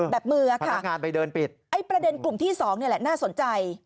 มือค่ะพนักงานไปเดินปิดไอ้ประเด็นกลุ่มที่สองนี่แหละน่าสนใจ